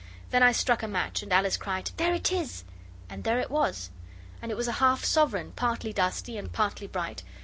Then I struck a match, and Alice cried, 'There it is!' And there it was, and it was a half sovereign, partly dusty and partly bright.